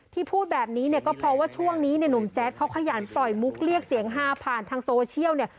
พูดแบบนี้เนี่ยก็เพราะว่าช่วงนี้เนี่ยหนุ่มแจ๊ดเขาขยันปล่อยมุกเรียกเสียงฮาผ่านทางโซเชียลเนี่ย